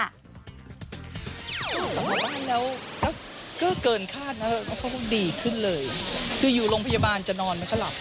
กลับมาบ้านแล้วก็ก็เกินคาดนะเขาก็ดีขึ้นเลยคืออยู่โรงพยาบาลจะนอนไม่ก็หลับ